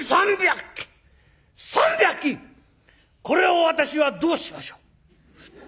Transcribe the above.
これを私はどうしましょう？」。